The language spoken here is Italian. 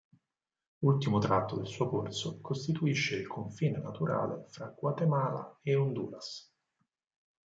L'ultimo tratto del suo corso costituisce il confine naturale fra Guatemala e Honduras.